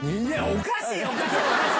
おかしいおかしい！